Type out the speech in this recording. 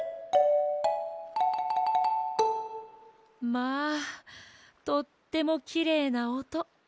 まあとってもきれいなおと。